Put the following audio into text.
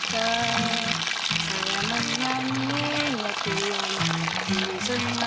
hai siapa dia nama